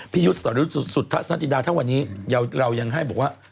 พี่ยุทธสรุปสุทธสนาจินดาทั้งวันนี้เรายังให้บอกว่า